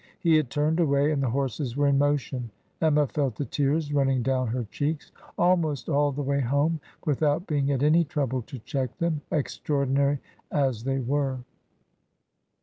He had turned away, and the horses were in mo tion. ... Emma felt the tears running down her cheeks almost all the way home, without being at any trouble to check them, extraordinary as they were.''